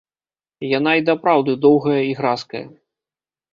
Яна і дапраўды доўгая і гразкая.